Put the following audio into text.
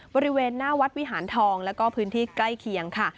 บริเวณหน้าวัดวิหารทองแล้วก็พื้นที่ใกล้เคียงค่ะ